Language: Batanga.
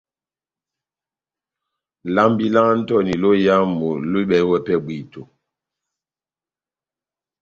Lambi lá Antoni lóyamu lohibɛwɛ pɛhɛ bwíto.